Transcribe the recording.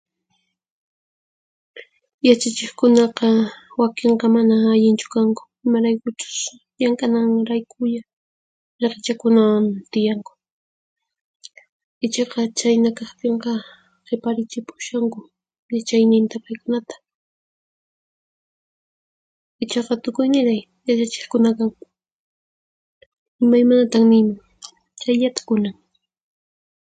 Yachachiqkunaqa wakinqa mana allinchu kanku imaraykuchus llank'ananraykulla irqichakunawan tiyanku, ichaqa chhayna kaqtinqa qhiparichipushanku yachayninta paykunata. Ichaqa tukuy niray yachachiqkuna kan. Imaymanatan niyman; chayllata kunan.